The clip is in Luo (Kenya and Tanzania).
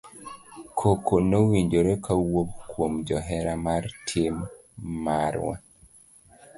Koko nowinjore kawuok kuom johera mar tim marwa.